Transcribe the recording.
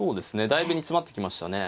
だいぶ煮詰まってきましたね。